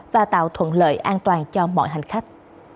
và tạo thuận lợi an toàn cho mọi hành khách